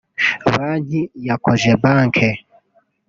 Banki ya Cogebanque